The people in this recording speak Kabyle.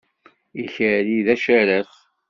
Ikerri d acaraf.